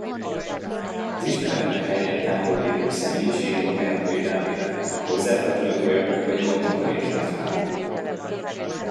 Az ismeretlen helyen távollévő személyiségi jogának védelmében a hozzátartozója vagy gondnoka léphet fel.